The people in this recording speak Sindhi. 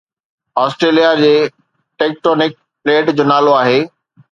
آسٽريليا جي ٽيڪٽونڪ پليٽ جو نالو آهي